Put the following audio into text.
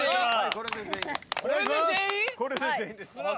これで全員です。